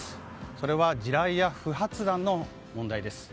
それは地雷や不発弾の問題です。